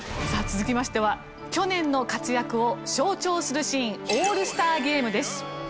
さあ続きましては去年の活躍を象徴するシーンオールスターゲームです。